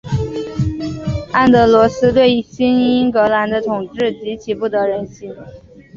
安德罗斯对新英格兰的统治极其不得人心。